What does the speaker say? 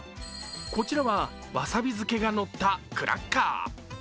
こちらはわさびづけがのったクラッカー。